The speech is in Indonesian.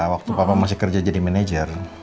waktu papa masih kerja jadi manajer